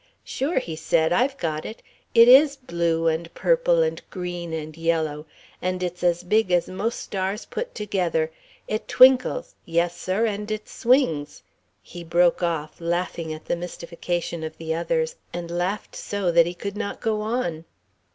"Sure," he said, "I've got it. It is blue and purple and green and yellow, and it's as big as most stars put together. It twinkles yes, sir, and it swings...." he broke off, laughing at the mystification of the others, and laughed so that he could not go on.